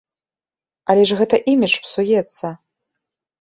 Але ж гэта імідж псуецца.